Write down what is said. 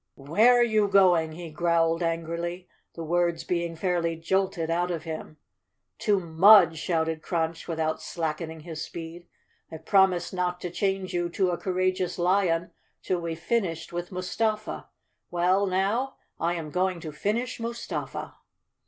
"Where are you going?" he growled angrily, the words being fairly jolted out of him. "To Mudge!" shouted Crunch without slackening his speed. "I promised not to change you to a cour¬ ageous lion till we finished with Mustafa. Well, now, I am going to finish Mustafa."